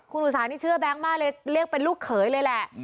คุณอุตสาหนี้เชื่อแบงค์มากเลยเรียกเป็นลูกเขยเลยแหละ